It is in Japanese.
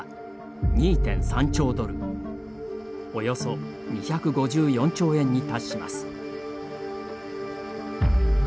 およそ２５４兆円に達します。